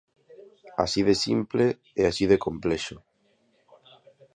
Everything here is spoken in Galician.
Así de simple e así de complexo.